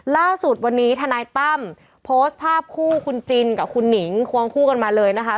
ล่าสุดวันนี้ทนายตั้มโพสต์ภาพคู่คุณจินกับคุณหนิงควงคู่กันมาเลยนะคะ